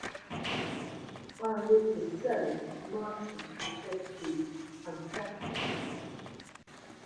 While this is so the maser is said to be "unsaturated".